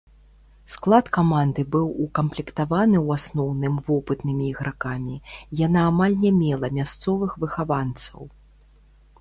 Склад каманды быў укамплектаваны ў асноўным вопытнымі ігракамі, яна амаль не мела мясцовых выхаванцаў.